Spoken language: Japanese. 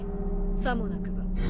さもなくば。